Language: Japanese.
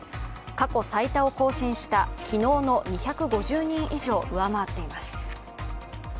過去最多を更新した昨日の２５０人以上、上回っています。